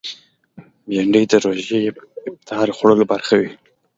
بېنډۍ د روژې افطار خوړلو برخه وي